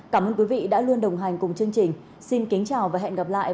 cảm ơn quý vị đã luôn đồng hành cùng chương trình